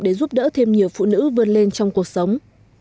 để giúp đỡ thêm nhiều phụ nữ vươn lên trong cuộc sống